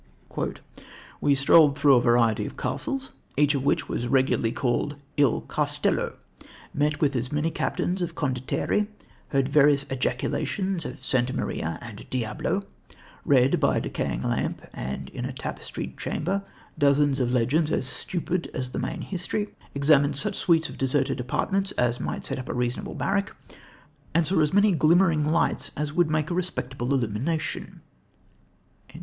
"We strolled through a variety of castles, each of which was regularly called Il Castello; met with as many captains of condottieri, heard various ejaculations of Santa Maria and Diabolo; read by a decaying lamp and in a tapestried chamber dozens of legends as stupid as the main history; examined such suites of deserted apartments as might set up a reasonable barrack, and saw as many glimmering lights as would make a respectable illumination."